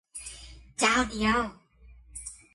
เจ้าเดียว !